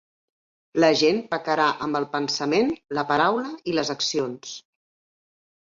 La gent pecarà amb el pensament, la paraula i les accions.